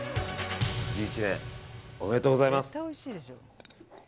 １１年、おめでとうございます。